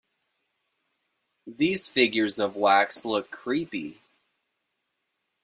These figures of wax look creepy.